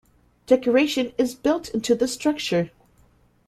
Decoration is built into the structure.